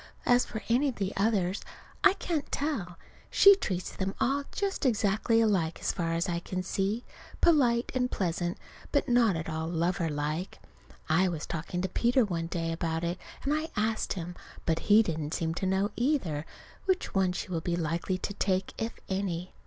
As for any of the others I can't tell. She treats them all just exactly alike, as far as I can see. Polite and pleasant, but not at all lover like. I was talking to Peter one day about it, and I asked him. But he didn't seem to know, either, which one she will be likely to take, if any.